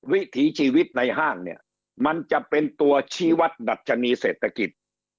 วิถีชีวิตในห้างเนี่ยมันจะเป็นตัวชี้วัดดัชนีเศรษฐกิจ